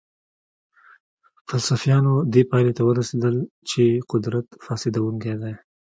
فلسفیانو دې پایلې ته ورسېدل چې قدرت فاسدونکی دی.